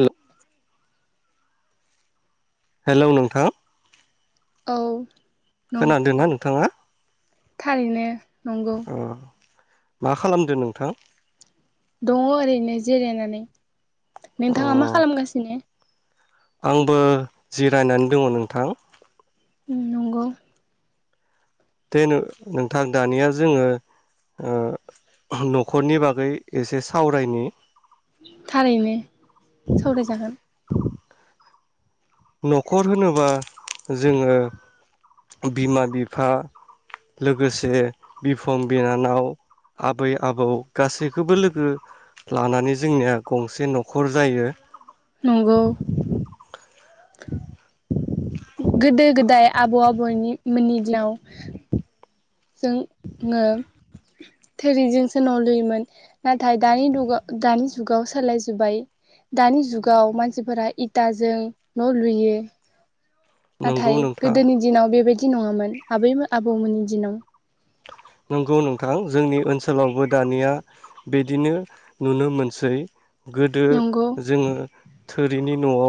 हेल' hello नोंथां औ नं खोनादों ना नोंथाङा थारैनो नंगौ औ मा खालामदो नोंथां? दङ ओरैनो जिरायनानै। अ नोंथाङा मा खालामगासिनो? आंबो जिरायनानै दङ नोंथां। नंगौ दे नोंथां दानिया जोङो ओ न'खरनि बागै एसे सावरायनि थारैनो सावरायजागोन न'खर होनोबा जोङो बिमा बिफा लोगोसे बिफं बिनानाव आबै आबौ गासैखौबो लोगो लानानै जोंनिया गंसे न'खर जायो नंगौ [inaudible] गोदो गोदाय आबौ आबैनि मोननि दिनाव जोङो थोरिजोंसो न' लुयोमोन नाथाय दानि दुगाव दानि जुगाव सोलायजोबबाय दानि जुगाव मानसिफोरा इटाजों न' लुयो नंगौ नाथाय नोंथां गोदोनि दिनाव बेबायदि नङामोन आबैमो आबौमोननि दिनाव नंगौ नोंथां जोंनि ओनसोलावबो दानिया बिदिनो नुनो मोनसै गोदो नंगौ जोङो थोरिनि न'आव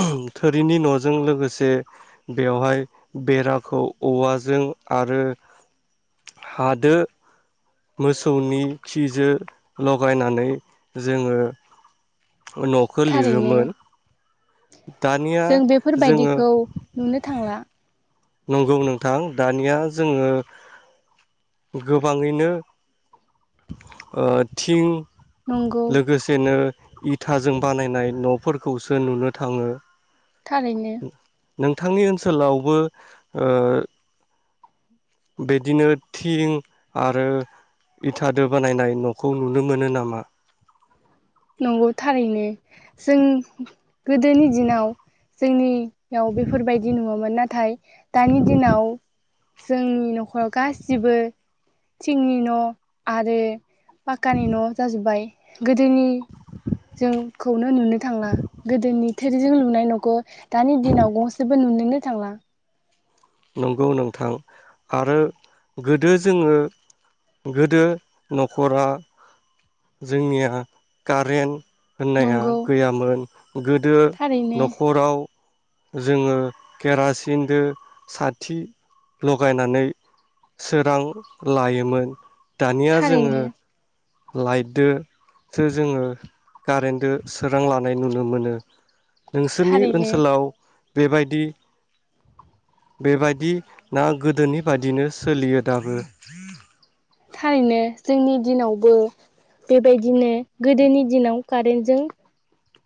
उह थोरिनि न'जों लोगोसे बेवहाय बेराखौ औवाजों आरो हादो मोसौनि खिजो लगायनानै जोङो न'खो थारैनो लिरोमोन दानिया जों जोङो बेफोरबायदिखौ नुनो थांला नंगौ नोंथां दानिया जोङो गोबाङैनो ओ थिं नंगौ लोगोसेनो इथाजों बानायनाय न'फोरखौसो नुनो थाङो थारैनो नोंथांनि ओनसोलावबो ओ बिदिनो थिं आरो इथादो बानायनाय न'खौ नुनो मोनो नामा? नंगौ थारैनो जों गोदोनि दिनाव जोंनि याव बेफोरबायदि नङामोन नाथाय दानि दिनाव जोंनि न'ख [unintelligible] गासिबो थिंनि न' आरो पाक्कानि न' जाजोब्बाय गोदोनि जोंखौनो नुनो थांला गोदोनि थोरिजों लुनाय न'खौ दानि दिनाव गंसेबो नुनोनो थांला नंगौ नोंथां आरो गोदो जोङो गोदो न'खरा जोंनिया कारेन्ट होननाया नंगौ गैयामोन गोदो थारैनो न'खराव जोङो केरासिनजों साथि लगायनानै सोरां लायोमोन दानिया जोङो थारैनो लाइटदसो जोङो कारेन्टजों सोरां लानाय नुनो मोनो नोंसोरनि थारैनो ओनसोलाव बेबायदि बेबायदि ना गोदोनि बादिनो सोलियो दाबो? थारैनो जोंनि दिनावबो बेबायदिनो गोदोनि दिनाव कारेन्टजों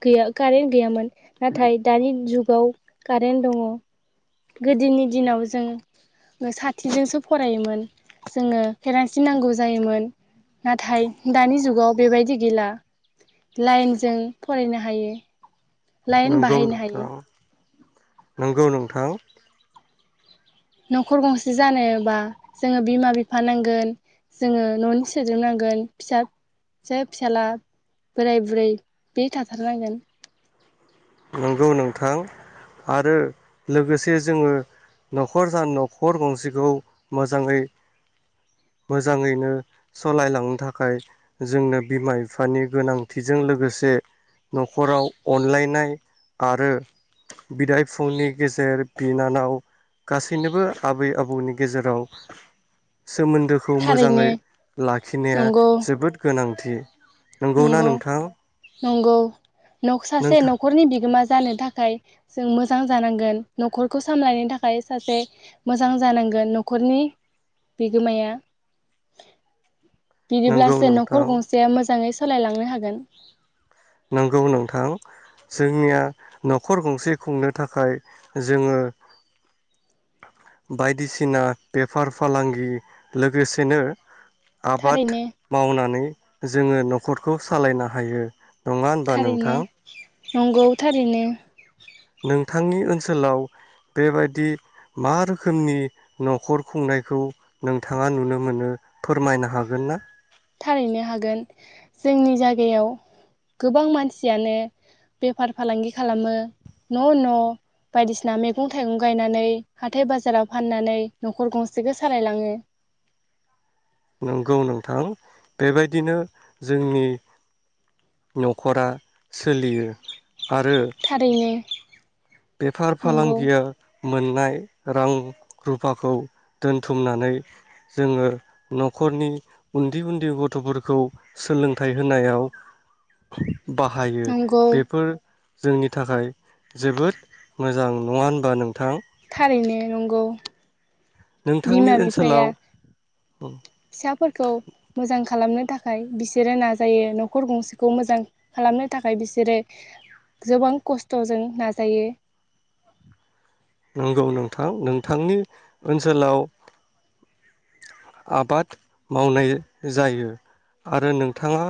गैया कारेन्ट गैयामोन नाथाय दानि जुगाव कारेन्ट दङ गोदोनि दिनाव जों साथिजोंसो फरायोमोन जोङो केेरानसि नांगौ जायोमोन नाथाय दानि जुगाव बेबायदि गैला लाइनजों फरायनो हायो। लाइन नंगौ बाहायनो हायो नोंथां नंगौ नोंथां न'खर गंसे जानोबा जोङो बिमा बिफा नांगोन जोङो न'नि सोद्रोबनांगोन फिसाजो फिसाज्ला बोराय बुरै बे थाथारनांगोन नंगौ नोंथां आरो लोगोसे जोङो न'खर स न'खर गंसेखौ मोजाङै मोजाङैनो सालायलांनो थाखाय जोंनो बिमा बिफानि गोनांथिजों लोगोसे न'खराव अनलायनाय आरो बिदाय फुंनि गेजेर बिनानाव गासैनोबो आबै आबौ बौनि गेजेराव सोमोन्दोखौ थारैनो मोजाङै लाखिनाया नंगौ जोबोद गोनां थि नंगौना नंगौ नोंथां? नंगौ नख सासे नोंथां न'खरनि बिगोमा ज जानो थाखाय जों मोजां जानांगोन न'खरखौ सामलायनो थाखाय सासे मोजां जानांगोन न'खरनि बिगोमाया। नंगौ बिदिब्लासो न'खर नोंथां गंसेया मोजाङै स सोलायलांनो हागोन। नंगौ नोंथां जोंनिया न'खर गंसे खुंनो थाखाय जोङो [inaudible] बायदिसिना बेफार फालांगि लोगोसेनो आबात थारैनो मावनानै जोङो न'खरखौ सालायना हायो। नङा होनबा थारैनो। नोंथां नंगौ थारैनो। नोंथांनि ओनसोलाव बेबायादि मा रोखोमनि न'खर खुंनायखौ नोंथाङा नुनो मोनो फोरमायनो हागोन ना? थारैनो हागोन जोंनि जागायाव गोबां मानसियानो बेफार फालांगि खालामो। न' न' बायदिसिना मैगं थाइगं गायनानै हाथाय बाजाराव फाननानै न'खर गंसेखौ सालायलाङो। नंगौ नोंथां बेबायदिनो जोंनि न'खरा सोलियो आरो थारैनो बेफार नंगौ फालांगिया मोननाय रां रुफाखौ दोनथुमनानै जोङो न'खरनि उन्दै उन्दै गथ'फोरखौ सोलोंथाइ होनायाव बाहायो नंगौ बेफोर जोंनि थाखाय जोबोद मोजां नङा होनबा नों थारैनो नंगौ। नोंथांनि बिमा बिफाया ओनसोलाव औ। फिसाफोरखौ मोजां खालामनो थाखाय बिसोरो नाजायो न'खर गंसेखौ मोजां खालामनो थाखाय बिसोरो जोबां खस्थ'जों नाजायो। नंगौ नोंथां नोंथांनि ओनसोलाव आबाद मावनाय जायो आरो नोंथाङा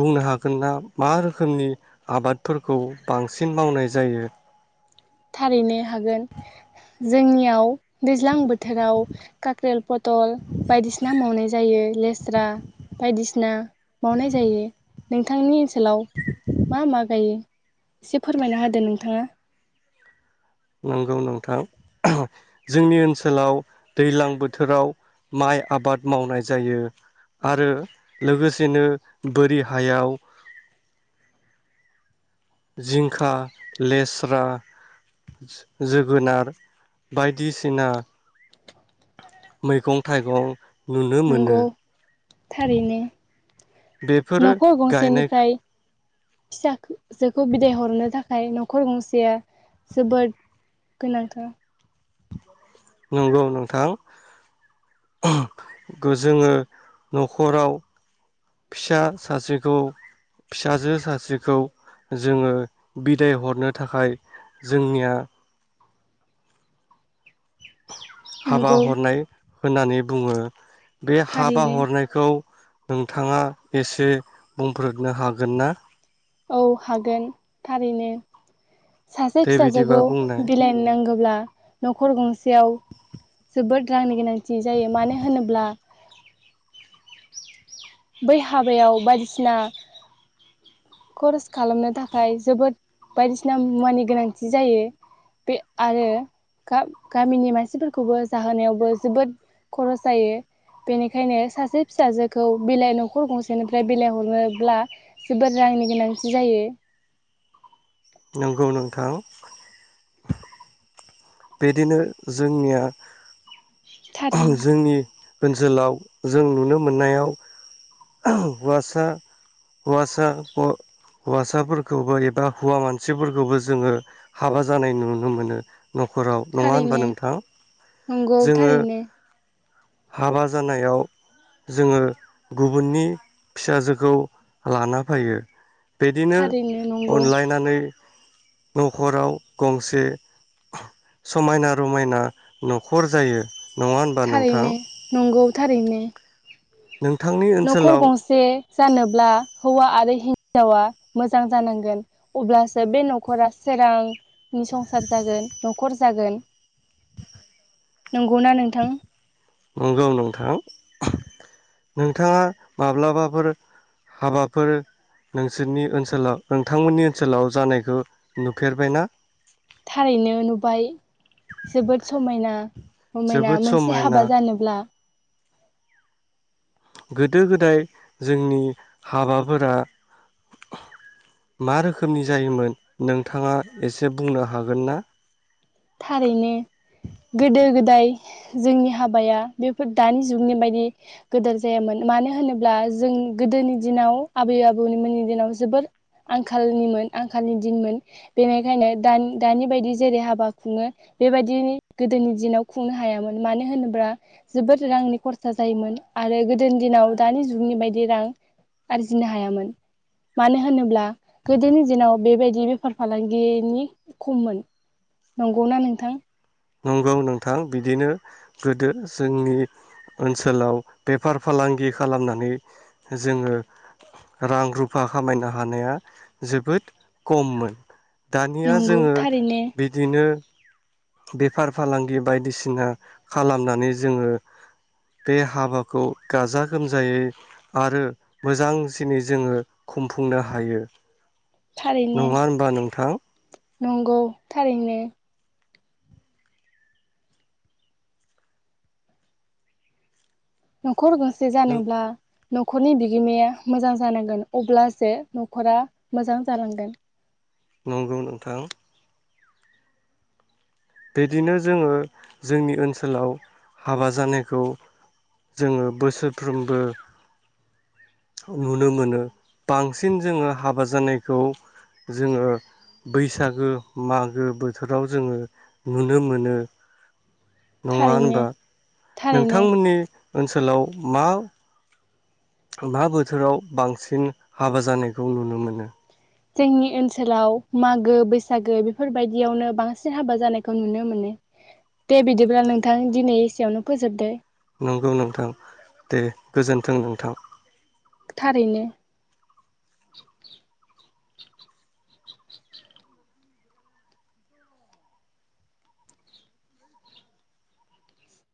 बुंनो हागोन ना मा रोखोमनि आबादफोरखौ बांसिन मावनाय जायो? थारैनो हागोन। जोंनियाव दैज्लां बोथोराव काख्रेल, पथल बायदिसिना मावनाय जायो लेस्रा बायदिसिना मावनाय जायो। नोंथांनि ओनस सोलाव मा मा गायो? एसे फोरमायना होदो नोंथाङा। नंगौ नोंथां ओहो जोंनि ओनसोलाव दैज्लां बोथोराव माइ आबाद मावनाय जायो आरो लोगोसेनो बोरि हायाव जिंखा, लेस्रा, जोगोनार बायदिसिना मैगं थाइगं नुनो नंगौ मोनो थारैनो बेफोरो न'खर गायनाय गंसेनिफ्राय फिसाखो जोखौ बिदाय हरनो थाखाय नख खर गंसेया जोबोद गोनांथार। नंगौ नोंथां जोङो न'खराव फिसा सासेखौ फिसाजो सासेखौ जोङो बिदाय हरनो थाखाय जोंनिया हाबा नंगौ हरनाय होननानै बुङो। बे हाबा थारैनो हरनायखौ नोंथाङा एसे बुंफोरनो हागोन ना औ हागोन थारैनो सासे दे फिसाजोखौ बिदिबा बुंनाय बिलाइनो नांगौ न'खर गंसेयाव जोबोद रांनि गोनांथि जायो मानो होनोब्ला बै हाबायाव बायदिसिना खरस खालामनो थाखाय जोबोद बायदिसिना मुवानि गोनांथि जायो। बे आरो गामिनि मानसिफोरखौबो जाहोनायावबो जोबोद खरस जायो बेनिखायनो सासे फिसाजोखौ बिलाइ न'खर गंसेनिफ्राय बिलाइ हरनोब्ला जोबोद रांनि गोनांथि जायो। नंगौ नोंथां बिदिनो जोंनिया थारैनो जोंनि ओनसोलाव जों नुनो मोननायाव हौवासा हौवासा [unintelligible] हौवासाफोरखौबो एबा हौवा मानसिफोरखौबो जोङो हाबा जानाय नुनो मोनो न'खराव नङा होनबा थारैनो नोंथां नंगौ जोङो थारैनो हाबा जानायाव जोङो गुबुननि फिसाजोखौ लाना फैयो बिदिनो थारैनो नंगौ अनलाइनानै न'खराव गंसे समायना रमायना न'खर जायो नङा होनबा नोंथां थारैनो नंगौ थारैनो। नोंथांनि न'खर ओनसोलाव गंसे जानोब्ला हौवा आरो हिन्जावा मोजां जानांगोन अब्लासो बे न'खरा सोरां नि संसार जागोन नखर जागोन नंगौना नोंथां? नंगौ नोंथां नोंथाङा माब्लाबाफोर हाबाफोर नोंसोरनि ओनसोलाव नोंथांमोननि ओनसोलाव जानायखौ नुफेरबायना? थारैनो नुबाय। जोबोद समायना रमायना जोबोद मोनसे समायना हाबा जानोब्ला गोदो गोदाय जोंनि हाबाफोरा मा रोखोमनि जायोमोन नोंथाङा एसे बुंनो हागोन ना? थारैनो गोदो गोदाय जोंनि हाबाया बेफोर दानि जुगनि बायदि गोदोर जायामोन मानो होनोब्ला जों गोदोनि दिनाव आबै आबौनिमोननि दिनाव जोबोर आंखालनिमोन आंखालनि दिनमोन बेनिखायनो दानि दानि बायदि जेरै हाबा खुङो बेबायदिनि गोदोनि दिनाव खुंनो हायामोन मानो होनोब्ला जोबोद रांनि खरसा जायोमोन आरो गोदोनि दिनाव दानि जुगनि बायदि रां आरजिनो हायामोन मानो होनोब्ला गोदोनि दिनाव बेबायदि बेफार फालांगिनि खममोन। नंगौना नोंथां? नंगौ नोंथां बिदिनो गोदो जोंनि ओनसोलाव बेफार फालांगि खालामनानै जोङो रां रुफा खामायनो हानाया जोबोद कममोन। दानिया नंगौ जोङो थारैनो बिदिनो बेफार फालांगि बायदिसिना खालामनानै जोङो बे हाबाखौ गाजा गोमजायै आरो मोजांसिनै जोङो खुंफुंनो हायो। थारैनो नङा होनबा नोंथां? नंगौ थारैनो न'खर गंसे जानोब्ला न'खरनि बिगोमाया मोजां जानांगोन अब्लासो न'खरा मोजां जालांगोन नंगौ नोंथां। बिदिनो जोङो जोंनि ओनसोलाव हाबा जानायखौ जोङो बोसोरफ्रोमबो नुनो मोनो बांसिन जोङो हाबा जानायखौ जोङो बैसागो मागो बोथोराव जोङो नुनो मोनो। नङा थारैनो होनबा? थारैनो नोंथांमोननि ओनसोलाव मा मा बोथोराव बांसिन हाबा जानायखौ नुनो मोनो? जोंनि ओनसोलाव मागो बैसागो बेफोरबायदियावनो बांसिन हाबा जानायखौ नुनो मोनो दे बिदिब्ला नोंथां दिनै एसेयावनो फोजोबदो। नंगौ नोंथां दे गोजोन्थों नोंथां। थारैनो।